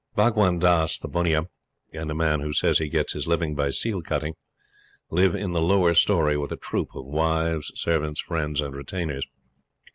Bhagwan Dass, the bunnia, and a man who says he gets his living by seal cutting, live in the lower story with a troop of wives, servants, friends, and retainers.